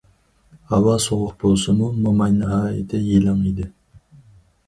ھاۋا سوغۇق بولسىمۇ، موماي ناھايىتى يېلىڭ ئىدى.